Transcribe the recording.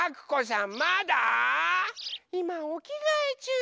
いまおきがえちゅう。